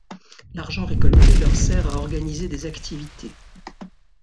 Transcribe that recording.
L'argent récolté leur sert à organiser des activités.